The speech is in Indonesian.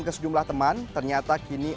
ke sejumlah teman ternyata kini